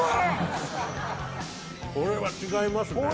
・これは違いますね